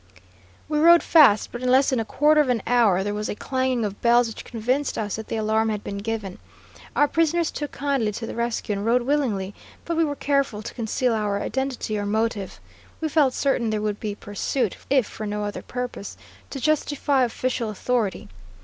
"We rode fast, but in less than a quarter of an hour there was a clanging of bells which convinced us that the alarm had been given. Our prisoners took kindly to the rescue and rode willingly, but we were careful to conceal our identity or motive. We felt certain there would be pursuit, if for no other purpose, to justify official authority.